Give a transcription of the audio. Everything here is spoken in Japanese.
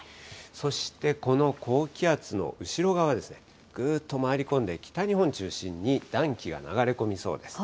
そしてこの高気圧の後ろ側ですね、ぐーっと回り込んで、北日本中心に暖気が流れ込みそうです。